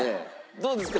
どうですか？